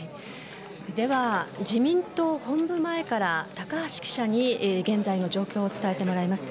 では、自民党本部前から高橋記者に現在の状況を伝えてもらいます。